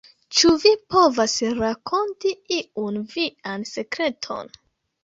Ĉu vi povas rakonti iun vian sekreton?